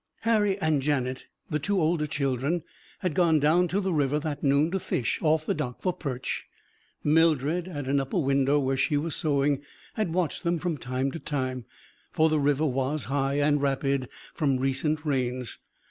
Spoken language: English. Harry and Janet, the two older children, had gone down to the river, that noon, to fish, off the dock, for perch. Mildred, at an upper window where she was sewing, had watched them from time to time. For the river was high and rapid from recent rains.